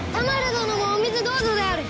どのもお水どうぞである。